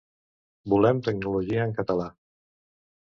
Volem tecnologia en català!